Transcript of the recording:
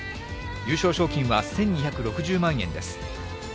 優勝賞金は１２６０万円です。